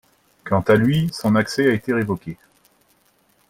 Quant à lui, son accès a été révoqué.